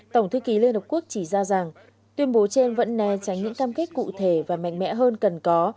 tổng thư ký liên hợp quốc chỉ ra rằng tuyên bố trên vẫn né tránh những cam kết cụ thể và mạnh mẽ hơn cần có